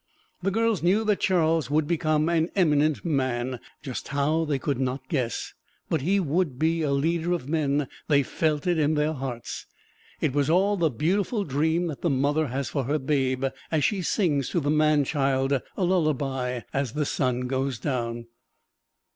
The girls knew that Charles would become an eminent man just how they could not guess but he would be a leader of men: they felt it in their hearts. It was all the beautiful dream that the mother has for her babe as she sings to the man child a lullaby as the sun goes down.